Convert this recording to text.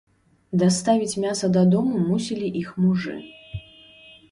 Даставіць мяса дадому мусілі іх мужы.